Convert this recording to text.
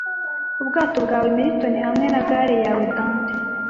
ubwato bwawe milton hamwe na galle yawe dante